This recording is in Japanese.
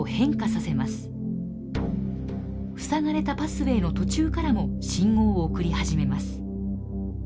ふさがれたパスウェーの途中からも信号を送り始めます。